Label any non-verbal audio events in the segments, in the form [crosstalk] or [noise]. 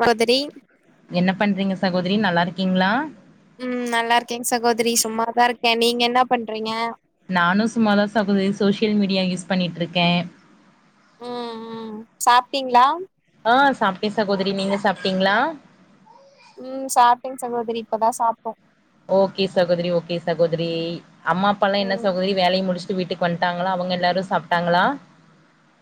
சகோதரி என்ன பண்றீங்க சகோதரி நல்லா இருக்கீங்களா உம் நல்லா இருக்கேங்க சகோதரி சும்மாதான் இருக்க நீங்க என்ன பண்றீங்க நானு சும்மாதான் சகோதரி சோசியல் மீடியா யூஸ் பண்ணிட்டுருக்க உம் உம் சாப்ட்டீங்களா ஆ சாப்ட்டேன் சகோதரி நீங்க சாப்ட்டீங்களா உம் சாப்ட்டேங்க சகோதரி இப்பதான் சாப்டோம் ஓகே சகோதரி ஓகே சகோதரி அம்மா அப்பாலாம் என்ன ம் சகோதரி வேலைய முடிச்சு வீட்டுக்கு வந்ட்டாங்களா அவங்க எல்லாரும் சாப்ட்டாங்களா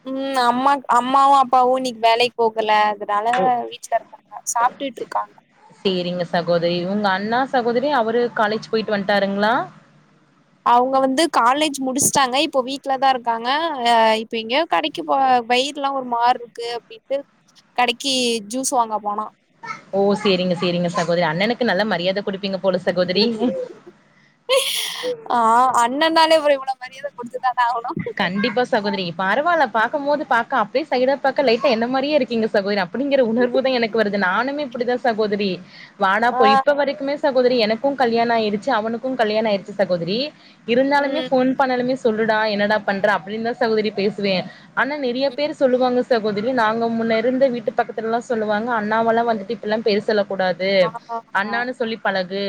உம் அம்மா அம்மாவும் அப்பாவும் இன்னைக்கு வேலைக்கு போகல அதனால ஓ வீட்ல இருக்காங்க சாப்ட்டுட்ருக்காங்க செரிங்க சகோதரி இவங்க அண்ணா சகோதரி அவரு காலேஜ் போயிட்டு வந்துட்டாருங்களா அவங்க வந்து காலேஜ் முடிச்சுட்டாங்க இப்போ வீட்லதான் இருக்காங்க ஆ இப்ப எங்கய கடைக்கு போ வயிருலாம் ஒரு மார் இருக்கு அப்படின்ட்டு கடைக்கு ஜூஸ் வாங்க போனா ஓ செரிங்க செரிங்க சகோதரி அண்ணனுக்கு நல்ல மரியாத கொடுப்பீங்க ஆ அண்ணன்ந்தானே அப்ரோ இவ்ளவு மரியாத கொடிஞ்சத கண்டிப்பா சகோதரி பரவாயில்ல பாகபோது பாக்க அப்படியே சைடா பாக்க லைட்டா என்ன மாரியே இருக்கிங்க சகோதரி அப்படிங்கிற உணர்வு தான் எனக்கு வருது நானுமே இப்படிதான் சகோதரி வானா ஆ போ இப்ப வரைக்குமே சக தரி எனக்கும் கல்யாணம் ஆயிடு அவனுக்கும் கல்யாணம் ஆயிச்சு சகோதரி இருந்தாலுமே ம் போன் பண்ணாலுமே சொல்லுடா என்னடா பண்ற அப்படின்னு தான் சகோதரி பேசுவேன் ஆனா நிறைய ம் பேர் சொல்லுவாங்க சகோதரி நாங்க முன்ன இருந்து வீட்டு பக்கத்துல்லாம் சொல்லுவாங்க அண்ணாவெல்லாம் வந்துட்டு இப்பல்லாம் பெருசல கூடாது ஆ அண்ணான்னு சொல்லி பழகு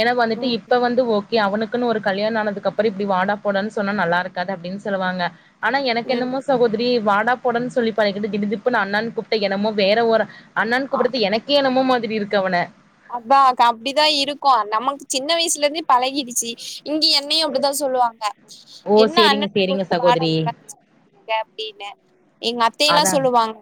என வந்துட்டு ம் இப்ப வந்து ஓ கே அவனுக்குன்னு ஒரு கல்யாண ஆதுக்கு அப்ரோ இப்படி வாடா போடன்னு சொன்னா நல்லா இருக்காது அப்படின்னு சொல்லுவாங்க ஆனா எனக்கு என்னமோ ம் சகோதரி வாடா போடன்னனு சொல்லி பண்ணிக்கிட்டு திடீப்புன்னு அண்ணான்னு கூப்பிட்ட என்னமோ வேற ஒரு அண்ணான்னு கூப்பிடறது எனக்கே என்னமோ மாதிரி இருக்கு அவன அதான் கா அப்படிதா இருக்கும் நம்மக்கு சின்ன வயசுல இருந்தே பழகிடுச்சு இங்க என்னையும் அப்படித்தான் சொல்லுவாங்க ஓ என்ன சேரிங்க அண்ணன போயி சேரிங்க வாட சகோதரி போடா சோல் அப்படின்னு எங்க அத்தைைய எல்லாம் அதா சொல்லுவாங்க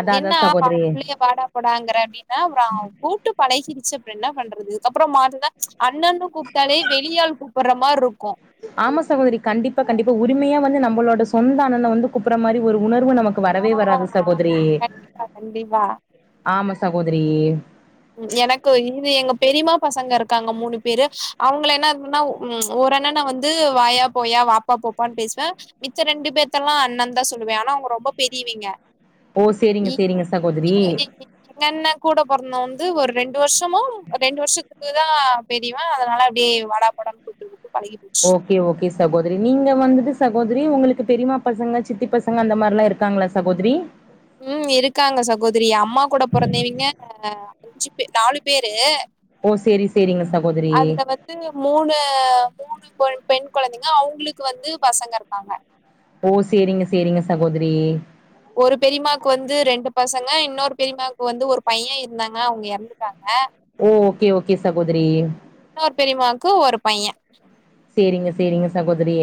அதா அதா என்ன சகோதரி பாள்ளையே வாடா போடாங்கற அப்படின்னா வா கூட்டு பழகிரிச்சு அப்ரோ என்ன பண்றது அதுக்கப்புறம் மாறந்தா அண்ணன்னு கூப்பிட்டாலே வெளியால் கூப்புற மாருக்கும் ஆமா சகோதரி கண்டிப்பா கண்டிப்பா உரிமையா வந்து நம்மளோட சொந்த அண்ணன வந்து கூப்புற மாரி வரு உணர்வு நமக்கு ஆ வரவே வராது சகோதரி கண்டிப்பா கண்டிப்பா ஆமா ச சகோதிரியே எனக்கு இது எங்க பெரியமாப் பசங்க இருக்காங்க மூணு பேரு அவங்க என்ன இருன்னா ஒரு அனன்ன வந்து வாயா போயா வாப்பா போப்பான்னு பேசுவேன் மிச்சம் ரெண்டு பேத்தல்லாம் அண்ணன் தான் சொல்லுவ ஆனா அவங்க ரொம்ப பெரியவங்க ஓ சேரிங்க சேரிங்க சகோதரி [inaudible] எங்க அண்ண கூட போரந்த ரெண்டு வருஷமும் ரெண்டு வருஷத்துக்கு தான் பெரியவ அதனால அப்படியே வடாப் போடானு கூப்டு ஓகே ஓகே சகோதரி நீங்க வந்துட்டு சகோதரி உங்களுக்கு பெரியமா பசங்க சித் தி பசங்க அந்த மாரிலாம் இருக்காங்களா சகோதிரி உம் இருக்காங்க சகோதரி அம்மா கூட போறந்தைவங்க அஞ்சு பேர் நாலு பேரு ஓ சேரி சேரிங்க சகோதரி அதுல வந்து மூணு மூணு போன் பெண் குழந்தைங்க அவங்களுக்கு வந்து பசங்க இருக்காங்க ஓ சேரிங்க சேரிங்க சகோதரி ஒரு பெரியமாக்கு வந்து ரெண்டு பசங்க இன்னொரு பெரியமாவுக்கு வந்து ஒரு பையன் இருந்தாங்க அவங்க எறந்துட்டாங்க ஓ ஓகே ஓகே சகோதிரி ஒரு பெரியமாக்கு ஒரு பைய சேரிங்க சேரிங்க சகோதரி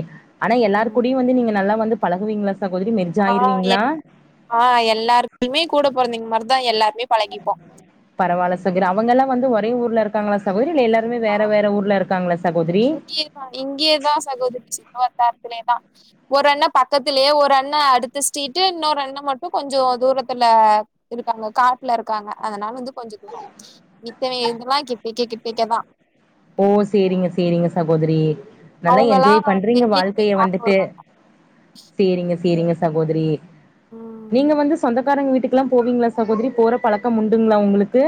ஆனா எல்லார ம் கூடியு வந்து நீங்க நல்லா வந்து பழகுவீங்களா சகோதரி மெர்ஜ் ஆ எ ஆயிருவீங்களா ஆ எல்லாருக்குயுமே கூட பொறந்தவீங்க மாரிதா எல்லாரு பரவால்ல சுகர் அவங்க எல்லா வந்து ஒரே ஊர்ல இருக்காங்களா சகோரி இல்ல எல்லாருமே வேற வேற ஊர்ல இருக்காங்கள ச இங்கயேதா இங்கயேதா சகோதரி வந்தார் துலேதா ஒரு அண்ண பக்கத்திலேயே ஒரு அண்ண அடுத்த ஸ்டிரீடு இன்னொரு அண்ண மட்டு கொஞ்சோ தூரத்தி ல இருக்காங்க காட்டுல இருக்காங்க அதனால வந்து கொஞ்சோ தூரோ மித்திவிங்க இவங்கெல்லா கிட்டேக்கே கிட்ட கேக்கதா ஓ சேரிங்க சேரிங்க சகோதரி நல்லா அவங்கல்லா என்ஜாய் பண்றீங்க டெய்லிக்குமே வாழ்க்கைய பாக்க வந்துட்டு வருவாங்க சேரிங்க சேரிங்க சகோதரி ம் நீங்க வந்து சொந்தக்காரங்க வீட் டுக்குல்லா போவீங்களா சகோதரி போற பழக்கம் முண்டுங்களா உங்களுக்கு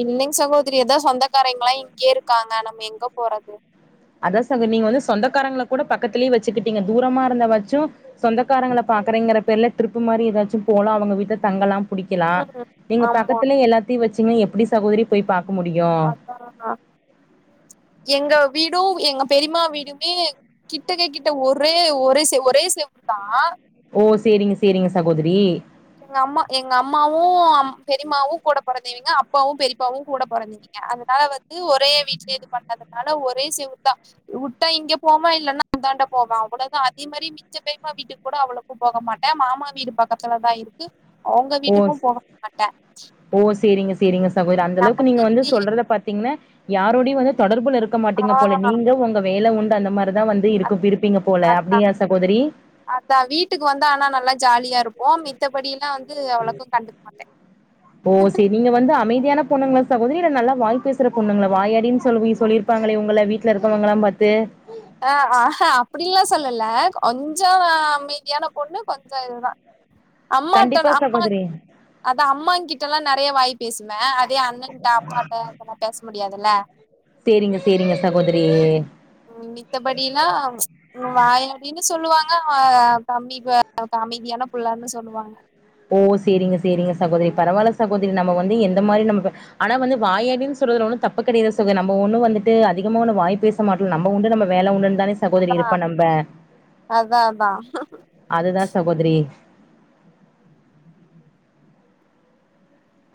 இல்லீங்க சகோதரி அதா சொந்தக்காரங்கெல்லா இங்கயே இருக்காங்க நம்ம எங்க போறது அதான் ச நீங்க வந்து சொந்தக்காரங்களை கூட பக்கத்திலேயே வச்சுக்கிட்டீங்க தூரமா இருந்த வச்சு சொந்தக்காரங்களை ப பாக்கறேங்கற பேர்ல ட்ரிப்பு மாரி ஏதாச்சு போல அவங்க வீட்ல தங்கலாம் குடிக்கலா ம் நீங்க ஆமா பக்கத்துல எல்லாத்தையு வச்சீங்க எப்டி சகோதரி போய் பாக் அப்பறனா எங்க வீட் டு எங்க பெரியமா வீடுமே கிட்ட கே கிட்ட ஒரே ஒரே செ ஒரே செவ தா ஓ சேரிங்க சேரிங்க சகோதரி எங்க அம்மா எங்க அம்மாவு அம் பெரியமாவு கூட பிறந்தைவிங்க அப்பாவு பெரியப்பாவு கூட பொறந்தவிங் அதனால வந்து ஒரே வீட்லயே இது பண்ணாதனால ஒரே செவு தா வுட்டா இங்க போவா இல்லன்னா தாண்ட போவே அவ்வளவுதா அதே மாரி மிச்ச பெரியமா வீட்டு கூட அவளோக்கு போக மாட்டே மாமா வீடு பக்கத்துல தான் இரு ஓ ஓ சேரிங்க சேரிங்க தவிர அந்த அளவுக்கு நம்ம நீங்க வந்து வீட்லயே சொல்றத பாத்தீங்கன்னா யாரோடையு வந்து தொடர்புல இரு இருக்க ஆ மாட்டீங்க போல நீங்க உங்க வேலை உண்டு அந்த மார் அதுதா வந்து இருக்கு விரிருப்பீங்க போல அதான் அப்டியா சகோதரி அதான் வீட்டுக்கு வந்தா ஆனா நல்லா ஜாலியா இருப்போ மித்தபடி எல்லா வந்து அவ்ளோக்கு கண்டுக்க மாட்ட ஓ சேரி நீங்க வந்து அமைதியான பொண்ணுங்களா சகோதரி இல்ல நல்லா வாய் பேசுற பொண்ணுங்களா வாயாடின்னு சொல்லி சொல்லியிருப்பாங்களே உங்கள வீட்டுல இருக்கவங்களல்லா பாத்து அ ஆ அப்டியெல்லா சொல்லல கொஞ்சோ அமைதியான பொண்ணு கொஞ்ச இதுதா கண்டிப்பா அம்மாத்தானே அம்மா சகோதரி அதா அம்மாங்கிட்ட எல்லா நெறைய வாய் பேசுவே அதே அண்ணன்ட்ட அப்பாட்ட அதெல்லா பேச முடியாதுல்ல சேரிங்க சேரிங்க சகோதரி ம் மித்தபடியெல்லா ம் வாயாடின் னு சொல்லுவாங்க தம்பி அமைதியான புள்ளன்னு சொல்லுவாங்க ஓ சேரிங்க சேரிங்க சகோதரி பரவாயில்ல சகோதரி நம்ம வந்து எந்த மாரி நம்ம ஆனா வந்து வாயாடின்னு சொல்றதுல ஒன்னு தப்பு கிடையது சகோ நம்ம ஒன்னு வந்துட்டு அதிகமா ஒன்னு வாய பேச மாட்டல நம்ம உண்டு நம்ம வேல உண்டுன்னு தானே சகோதரி இருப்ப நம்ப அதா அதா அதுதா சகோதிரி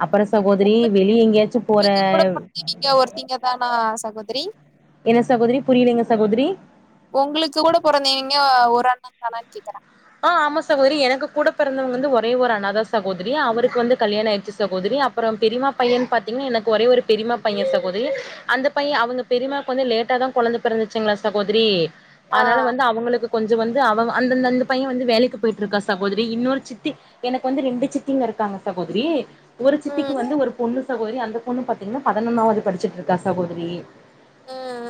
அப்புற சகோதரி உங்களுக்கு வெளிய எங்கேயாச்சு போற உங்களுக்கு கூட பொறந்தவிங்க ஒருத்திங்க தானா சகோதரி என்ன சகோதரி புரியலைங்க சகோதரி உங்களுக்கு கூட பொறந்தவிங்கோ ஒரு அண்ணதானானு கேக்கற ஆ ஆமா சகோதரி எனக்கு கூட பிறந்தவங்க வந்து ஒரே ஒரு அண்ணாதா சகோதரி அவருக்கு வந்து கல்யாண ஆயிற்சி சகோதரி அப்புறம் பெரியமா பையன் பாத்தீங்கன்னா எனக்கு ஒரே ஒரு பெரியமா பையன் சகோதரி அந்த பைய அவங்க பெரியமாக்கு வந்து லேட்டாதா கொழந்த பிறந்துச்சுங்களா சகோதரி ஆ அதனால வந்து அவங்களுக்கு கொஞ்சோ வந்து அவங்க அந்தந்தந்து பையன் வந்து வேலைக்கு போயிட்டு இருக்கா சகோதரி இன்னொரு சித்தி எனக்கு வந்து ரெண்டு சித்திங்க இருக்காங்க சகோதரி ஒரு ம் சித்திக்கு வந்து ஒரு பொண்ணு சகோதரி அந்த பொண்ணு பாத்தீங்கன்னா பதினொன்னாவது படிச்சிட்டு இருக்கா சகோதரி ம்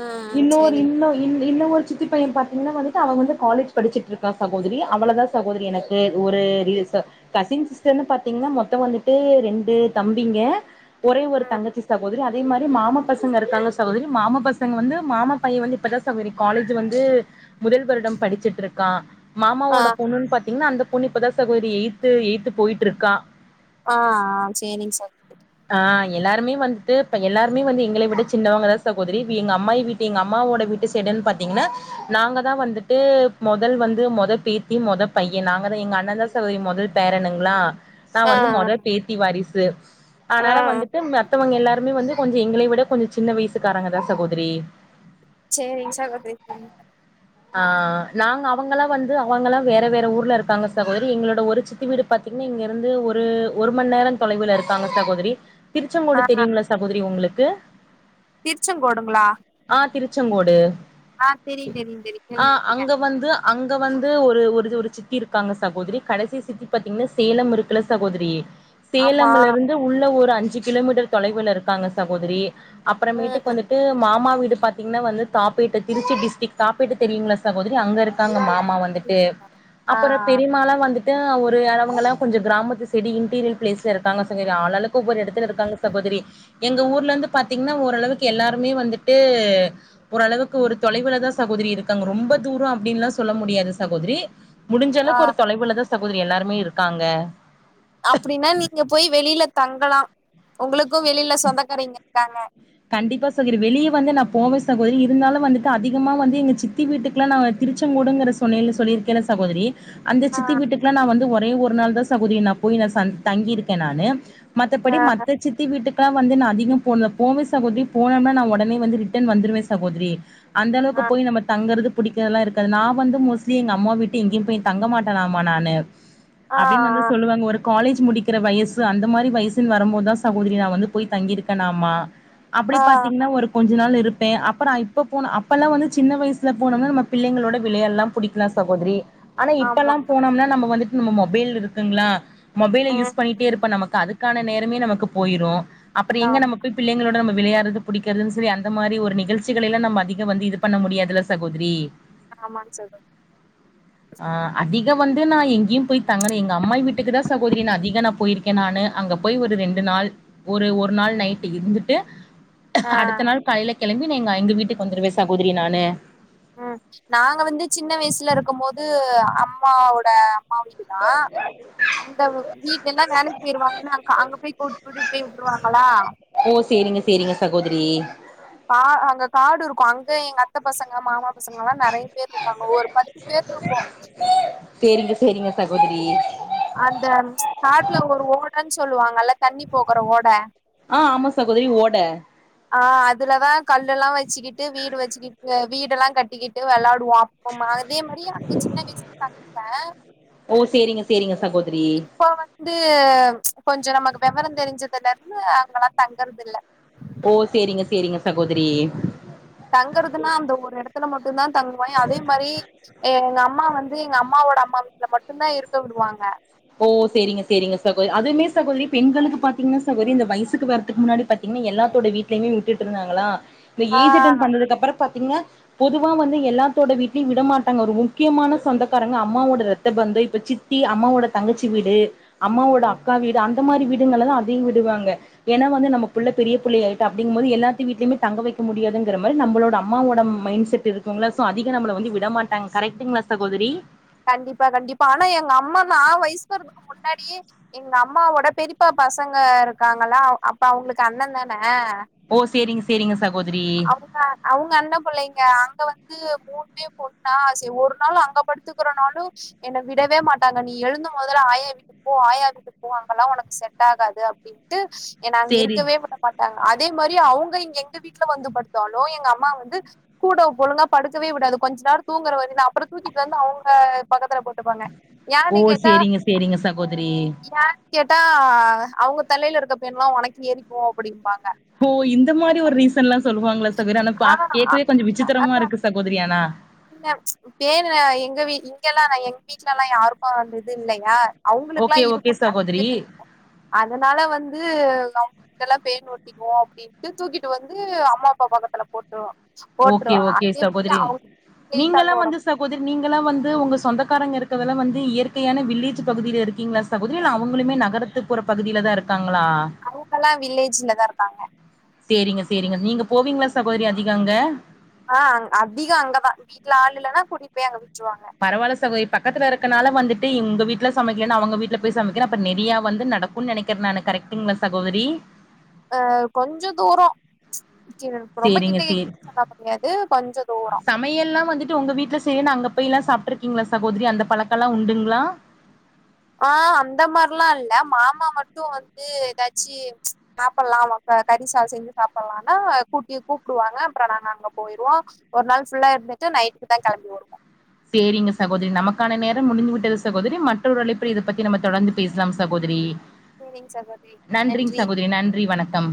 ம் இன்னொரு சேரிங் இன்னு இன் இன்னு ஒரு சித்தி பையன் பாத்தீங்கன்னா வந்துட்டு அவ வந்து காலேஜ் படிச்சிட்டு இருக்கா சகோதரி அவ்ளதா சகோதரி எனக்கு ஒரு ரீல்ஸ் கசின் சிஸ்டர்னு பாத்தீங்கன்னா மொத்தோ வந்துட்டு ரெண்டு தம்பிங்க ஒரே ஒரு தங்கச்சி சகோதரி அதே மாரி மாமா பசங்க இருக்காங்க சகோதரி மாமா பசங்க வந்து மாமா பையன் வந்து இப்பதா சகோதரி காலேஜ் வந்து முதல்வரிடம் படிச்சிட்டு இருக்கான் ஆ மாமாவோட பொண்ணுன்னு பாத்தீங்கன்னா அந்த பொண்ணு இப்பதா சகோரி எய்த்து எய்த்து போயிட்டு இருக்கா ஆ சேரிங்க சகோதரி ஆ எல்லாருமே வந்துட்டு இப்ப எல்லாருமே வந்து எங்களை விட சின்னவங்கதா சகோதரி வி அம்மாயி வீட்டு எங்க அம்மாவோட வீ சைடுனு பாத்தீங்கன்னா நாங்கதா வந்துட்டு மொதல் வந்து மொ இதா பேத்தி மொத பையனா நாங்கதா எங்க அண்ணந்தா சகோதரி மொத பேரனுங்ளா நா ஆ வந்து மொதொ பேத்தி வாரிசு ஆ அதனால வந்துட்டு மத்தவங்க எல்லா ருமே வந்து கொஞ்சோ எங்களை விட கொஞ்சோ சின்ன வயசுக்காராங்கதா சகோதரி சரிங்க சகோதரி ம் ஆ நாங்க அவங்கெல்லா வ ந்து அவங்கெல்லா வேற வேற ஊர்ல இருக்காங்க சகோதரி எங்களோட ஒரு சித்தி வீடு பாத்தீங்கன்னா இங்க இருந்து ஒரு மண் நேர தொலைவில இருக்காங்க சகோதரி திருச்சங்கோடு தெரியுங்ளா சகோதரி உங்களுக்கு திருச்சங்கோடுங்ளா ச்சங்கோடு தெரியு தெரியு ஆ கேள்விப்பட்ருக்கே அங்க வந்து அங்க வந்து ஒரு ஒரு ஒரு சித்தி இருக்காங்க சகோதரி கடைசி சித்தி பாத்தீங்கன்னா சேலம் இருக்கல்ல சகோதரி ஆமா சேலம்ல இருந்து உள்ள ஒரு அஞ்சு கிலோமீட்டர் தொலைவுல இருக்காங்க சகோதரி ம் அப்பறமேட்டுக்கு ம் வந்துட்டு மாமா வீ பாத்தீங்கன்னா வந்து தாப்பீட்டு திருச்சி டிஸ்ட்ரிக் தாப்பீட்டு தெரியுங்ளா சகோதரி அங்க இருக்கு ஆ மாமா வந்துட்டு ஆ அப்றோ பெரிமால்லா வந்து ட்டு ஒரு அளவுங்கல்லா கொஞ்சோ கிராமத்து சைடு இன்டீரியல் ப்ளேஸ்ல இருக்காங்க சகோதரி ஆளாளுக்கு ஒவ்வொரு எடத்துல இருக்காங்க சகோ தரி எங்க ஊர்ல இருந்து பாத்தீங்கன்னா ஓரளவுக்கு எல்லாருமே வந்துட்டு ஒரளவுக்கு ஒரு தொலை குள்ளதா சகோதரி இருக்காங்க ரொம்ப தூரோ அப்டின்ல்லா சொல்ல முடியாது சகோதரி முடிஞ்ச ஆ அளவுக்கு ஒரு தொலைவுலதா சகோதரி எல்லாருமே இருக்காங்க அப்டின்னா நீங்க போய் வெளில தங்கலா உங்களுக்கு வெளில சொந்தக்காரங்க இருக்காங்க கண்டிப்பா சகோதரி வெளிய வந்து நா போவ சகோதரி இருந்தாலு வந்துட்டு அதிகமா வந்து எங்க சித்தி வீட்டுக்கெல்லா நா திருச்சங்கோடுங்கிற சொன்னைல சொல்லிருக்கல்ல சகோதரி அந்த ஆ சித்தி வீட்டுக்கெல்லா நா வந்து ஒரே ஒரு நாள்தா சகோதரி நா போய் நா தங்கியிருக்கேன் நானு மத்தபடி ஆ மத்த சித்தி வீட்டுக்கெல்லா வந்து நா அதிகம் போ போவ சகோதரி போனம்னா நா ஒடனே வந்து ரிட்டன் வந்துருவ சகோதரி அந்த அளவுக்கு ஆ போய் நம்ம தங்கறது புடிக்கிறதெல்லா இருக்காது நா வந்து மோஸ்ட்லி எங்க அம்மாவ விட்டு எங்கேயும் போய் தங்க மாட்டனாமா நானு ஆ அப்டின்னு வந்து சொல்லுவாங்க ஒரு காலேஜ் முடிக்கிற வயசு அந்த மாரி வயசுன்னு வரும்போதா சகோதரி நா வந்து போய் தங்கியிருக்கனாமா அப்டி ஆ ஆ பாத்தீங்கன்னா ஒரு கொஞ்ச நாள் இரு ப்ப அப்றோ இப்போ போன அப்பெல்லா வந்து சின்ன வயசுல போனம்னா நம்ம பிள்ளைங்களோட விளையாடலா புடிக்கலா சகோதரி ஆனா இப்பெல்லா ஆமா போனம்னா நம்ம வந்துட்டு நம்ம மொபைல் இருக்குங்ளா மொபைல யூஸ் ம் பண்ணிட்டே இருப்ப நமக்கு அதுக்கான நேரமே நமக்கு போயிரு அப்றோ எங்க ஆமா நம்ம போய் பிள்ளைகளோட நம்ம விளையாடறது புடிக்கிறதுனு சொல்லி அந்த மாரி ஒரு நிகழ்ச்சிகளையெல்லா நம்ம அதிக வந்து இது பண்ண முடியாதில்ல சகோதரி ஆமாங் சகோதரி உ ஆ அதிக வந்து நா எங்கயும் போய் தங்கன எங்க அம்மாயி வீட்டுக்குதா சகோதரி நா அதிக நா போயிருக்கேன் நானு அ ங்க போய் ஒரு ரெண்டு நாள் ஒரு ஒரு நாள் நைட் ட்டு இருந்துட்டு ஆ அடுத்த நாள் காலைல கெளம்பி எங்க வீட்டுக்கு வந்துருவ சகோதரி நானு ம் நாங்க வந்து சின்ன வயசில இருக்கும்போது அம்மாவோட அம்மா வீடுதா அந்த வீடெல்லா வேலைக்கு போயிருவாங்கன்னு அங் அங்க போய் கூ கூட்டிடுட்டு போய் விட்டுருவாங்ளா ஓ சேரிங்க சேரிங்க சகோதரி கா அங்க காடு இருக்கு அங்க எங்க அத்த பசங்க மாமா பசங்கல்லா நறைய பேர் இருக்காங்க ஒரு பத்து பேர் இருக்கோ சேரிங்க சேரிங்க சகோதரி அந்த காட்ல ஒரு ஓடன் சொல்லுவாங்கல தண்ணி போகற ஓட ஆ ஆமா சகோதரி ஓட ஆ அதுலதா கல்லெல்லா வச்சுகிட்டு வீடு வச்சுகிட் வீடெல்லா கட்டிகிட்டு வெளாடு வோ அப்பம் அதே மாரி அங்க சின்ன வயசு [inaudible] ஓ சேரிங்க சேரிங்க சகோதரி இப்போ வந்து கொ கொஞ்ச நமக்கு வெவரந் தெரிஞ்சதுல இருந்து அங்கெலா தங்கறது இல்ல ஓ சேரிங்க சேரிங்க சகோதரி தங்கறதுனா அந்த ஒரு எடத்துல மட்டுந்தா தங்குவோ அதே மாரி எங்கம் அம்மா வந்து எங்க அம்மாவோட அம்மா வீட்ல மட்டுந்தா இருக்க விடுவாங்க ஓ சேரிங்க சேரிங்க சகோ அதுமே சகோதிரி பெண்களுக்கு பாத்திங்னா சகோரி இந்த வயுசுக்கு வரதுக்கு முன்னாடி பாத்திங் எல்லார்த்தோட வீட்லயுமே விட்டுட்ருந்தாங்களா இந்த ஆ ஏஜ் அட்டன் பண்ணதுக்கப்புற பாத் திங்னா பொதுவா வந்து எல்லாத்தோட வீட்லயு விட மாட்டாங்க ஒரு முக்கியமான சொந்தக்காரங்க அம்மாவோட ரத்த பந் இப்ப சித்தி அம்மாவோட தங்கச்சி வீடு அம்மாவோட ம் அக்கா வீடு அந் தமாரி வீடுங்கள்ல தா அதிக விடுவாங்க ஏனா வந்து நம்ம புள்ள பெரிய புள்ளயாயிட்டா அப்டிங்கும்போது எல்லாத்து வீட்லயுமே தங்க வெக் க முடியாதுங்ற மாதிரி நம்மளோட அம்மாவோட மைண்ட் செட் இருக்குங்ள சோ அதிக நம்மள வந்து விடமாட்டாங்கா கரெக்ட்டுங்ளா சகோதரி கண்டிப்பா கண்டிப்பா ஆனா எங்கம்மா நா வயுசுக்கு வரதுக்கு முன்னாடியே எங்க அம்மாவோட பெரிப்பா பசங்க இருக்காங்களா அப்ப அவுங்களுக்கு அண்ணந்தான ஓ சேரிங்க சேரிங்க சகோதரி அவுங்க அவுங்கண்ணம் பிள்ளைங்க அங்க வந்து மாக்கு மூணுமே பொண்ணா சரி ஒரு நாள் அங்க படுத்துக்குறனாளு என்ன விடவே மாட்டாங்க நீ எழுந்து மொதல்ல ஆயா வீட்டுக்கு போ ஆயா வீட்டுக்கு போ அங்கெல்லா உனக்கு செட் ஆகாது அப்டின்ட்டு என்ன அங்க சேரி இருக்கவே விடமாட்டாங்க அதே மாரி அவுங்க எங்க வீட் வந்து படுத்தாலு எங்க அம்மா வந்து கூட ஒழுங்கா படுக்கவே விடாது கொஞ்ச நேர தூங்கற வரையுந்தா அப்புற தூக்கி வந்து அவுங்க பக்கத்துல போட்டுப்பாங்க ஓ! ஏனு கேட்டா சேரிங்க, சேரிங்க சகோதரி. ஏ கேட்டா அவுங்க தலைல இருக்க பேண்லா உனக்கு ஏறிக்கு அப்டிம்பாங்க ஓ இந்த மாரி ஒரு ரீசன்லா சொல்லுவாங்ளா சி சகோரி ஆனா பா ஆ கேக்கவே கொஞ்ச விசித்திரமா இருக்கு சகோதிரி ஆனா இல்ல பேனு எங்க வீ இங்கெலா இல்ல எங்க வீட்லலா யாருக்கு அந்திது இல்லையா அவங்களுக்லா ஓகே, ஓகே இருக்கு சகோதரி. நறையவே இருக்கு அதனால வந்து எல்லா பேன் ஒட்டிக்கு அப்டின்ட்டு தூக்கிட்டு வந்து அம்மா அப்பா பக்கத்துல போட் ரு போட்ருவாங்க அதே மாரி அ நீங்கெலாம் வந்து சகோதரி நீங்கெலா வந் து உங்க சொந்தக்காரங்க இருக்கதெல்லா வந்து இயற்கையான வில்லேஜ் பகுதில இருக்கிங்ளா சகோதிரி இல்ல அவுங்களுமே நகரத்துக்கு புற பகுதிலதா இருக்காங் அவுங்களா வில்லேஜ்லதா இருக்காங்க சேரிங்க சேரிங்க நீங்க போவிங்ளா சகோதரி அதிக அங்க ஆ அ அதிக அங்கதா வீட்ல ஆள் இல்லனா கூட்டிட் போய் அங்க விட் பரவால சகோதரி பக் கத்ல இருக்கனால வந்துட்டு உங்க வீட்ல சமைக்கலன் அவுங்க வீட்ல போய் சமைக்கற அப்ப நறையா வந்து நடக்குன் நெனைக்கறே நானு கரக்ட் டுங்ளா சகோதரி அ கொஞ்ச தூர சேரிங்க சேர் முடியாது கொஞ்ச தூரோ சமையல்லா வந்துட்டு உங்க வீட்ல செய்லன் அங்க போயெல்லா சாப்ட்ருக்கிங்ளா சகோதிரி அந்த பழக்க எல்லா உண்டுங்ளா ஆ அந்த மார்லா இல்ல மாமா மட்டு வந்து எதாச்சி சாப்பல்லா வாங் க கறிசாத செஞ்சு சாப்பலானா கூட்டி கூப்டுவாங்க அப்பற நாங்க அங்க போயிருவோ ஒரு நாள் ஃபுல்லா இருந்து ட்டு நைட்டு தா கெளம்பி வருவோ சேரிங்க சகோதரி நமக்கான நேரம் முடிஞ்சு விட்டது சகோதரி மற்றொரு அழைப்புல இத பத்தி நம்ம தொடர்ந்து பேசலாம் சகோதரி சேரிங் சகோதரி நன்றிங் நன்றி சகோதரி நன்றி வணக் கம்